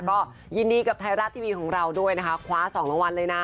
ก็ยินดีกับไทยรัฐทีวีของเราด้วยนะคะคว้า๒รางวัลเลยนะ